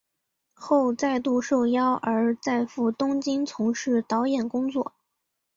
后再度受邀而再赴东京从事导演工作。